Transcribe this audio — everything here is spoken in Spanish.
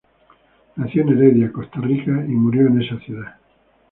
Nació en Heredia, Costa Rica y murió en esa ciudad.